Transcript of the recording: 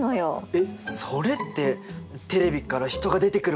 えっそれってテレビから人が出てくるホラーみたいな？